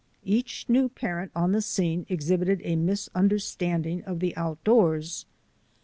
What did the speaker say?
Each new parent on the scene exhib ited a misunderstanding of the outdoors.